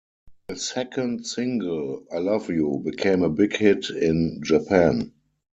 A second single "I Love You" became a big hit in Japan.